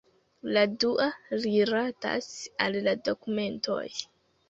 La dua rilatas al la dokumentoj.